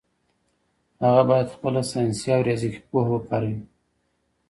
هغه باید خپله ساینسي او ریاضیکي پوهه وکاروي.